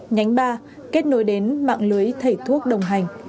nhánh ba kết nối đến mạng lưới thầy thuốc đồng hành